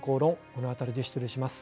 このあたりで失礼します。